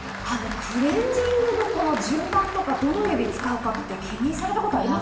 クレンジングの順番とか、どの指使うか気にされたことありますか？